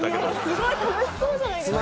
すごい楽しそうじゃないですか。